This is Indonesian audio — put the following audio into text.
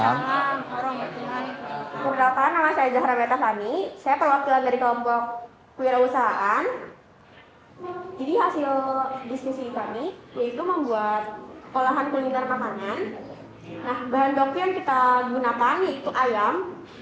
yang kita gunakan yaitu ayam